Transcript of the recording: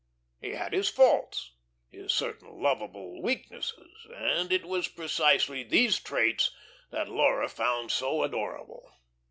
He had his faults, his certain lovable weaknesses, and it was precisely these traits that Laura found so adorable.